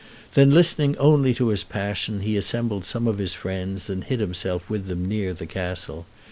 Then, listening only to his passion, he assembled some of his friends, and hid himself with them near the castle.